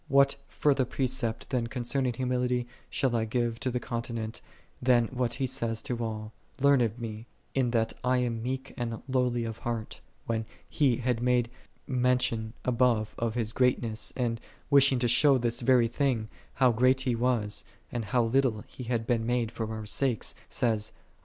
What further precept then concerning humility shall I give to the continent, than what He saith to all, " Learn of Me, in that I am meek and lowly of heart ?" 6 when He had made mention above of His greatness, and, wishing to show this very thing, how great He was, and how i Tim. v. 6. 5 James iv. 6. • Matt.